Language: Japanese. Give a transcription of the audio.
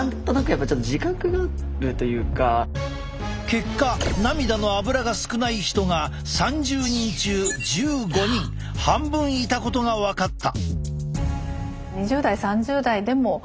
結果涙のアブラが少ない人が３０人中１５人半分いたことが分かった！